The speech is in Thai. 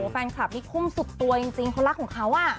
แฟนคลับนี่คุ่มสุดตัวจริงเขารักของเขา